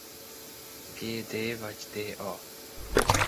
G–d vagy d–a.